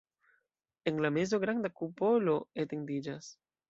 En la mezo granda kupolo etendiĝas.